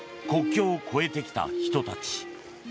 国境を越えてきた人たち。